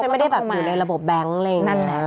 ใช่ใช่ที่มันไม่ได้อยู่ในระบบแบงค์อะไรอย่างนี้นะ